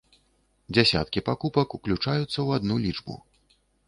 Дзесяткі пакупак уключаюцца ў адну лічбу.